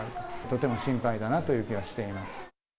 とても心配だなという気はしています。